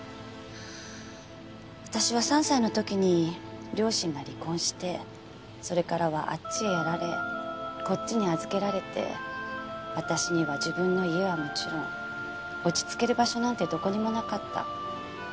私は３歳の時に両親が離婚してそれからはあっちへやられこっちに預けられて私には自分の家はもちろん落ち着ける場所なんてどこにもなかった。